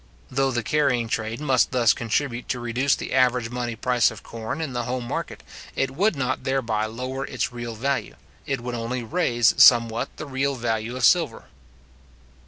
Though the carrying trade must thus contribute to reduce the average money price of corn in the home market, it would not thereby lower its real value; it would only raise somewhat the real value of silver.